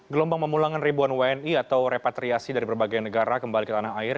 gelombang pemulangan ribuan wni atau repatriasi dari berbagai negara kembali ke tanah air